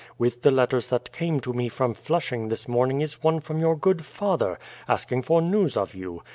With the letters that came to me from Flushing this morning is one from your good father, asking for news of you.